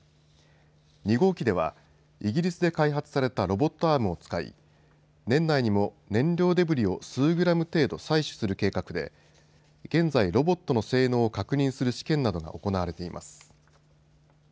２号機ではイギリスで開発されたロボットアームを使い年内にも「燃料デブリ」を数グラム程度採取する計画で現在、ロボットの性能を確認する試験などが行われています。